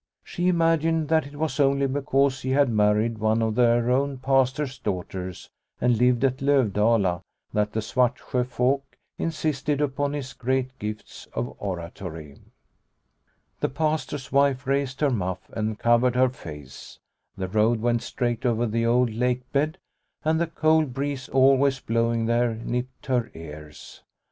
She imagined that it was only because he had married one of their own Pastor's daughters and lived at Lovdala that the Svartsjo folk insisted upon his great gifts of oratory. The Pastor's wife raised her muff and covered her face. The road went straight over the old lake bed, and the cold breeze always blowing The Bride's Dance 99 there nipped her ears.